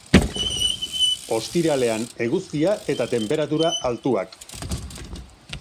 Ostiralean eguzkia eta tenperatura altuak.